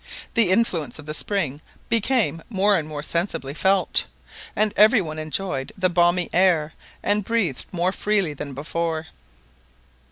The influence of the spring became more and more sensibly felt, and every one enjoyed the balmy air, and breathed more freely than before.